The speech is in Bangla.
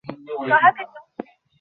তবে নিসার আলিকে সিগারেট দিলেন না।